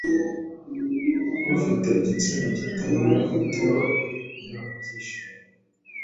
ufite igitsina gito ni we utuma ngera ku byishimo